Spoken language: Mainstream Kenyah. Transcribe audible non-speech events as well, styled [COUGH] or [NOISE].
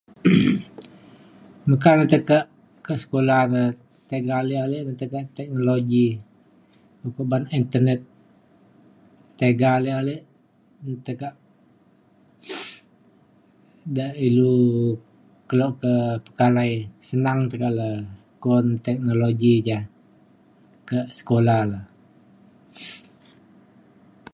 [NOISE] meka lok teke ke sekolah re tega alik alik ne teka teknologi ukuk ba'an internet tega alik alik tekak [NOISE] da' ilu keluk ke pekalai senang tekak le ku'un teknologi ja ka sekolah le. [NOISE]